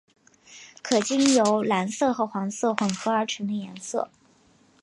可经由蓝色和黄色混和而成的颜色。